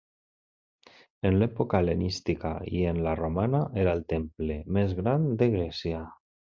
En l'època hel·lenística i en la romana era el temple més gran de Grècia.